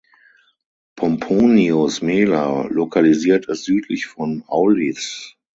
Pomponius Mela lokalisiert es südlich von Aulis.